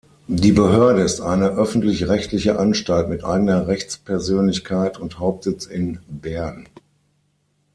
Die Behörde ist eine öffentlich-rechtliche Anstalt mit eigener Rechtspersönlichkeit und Hauptsitz in Bern.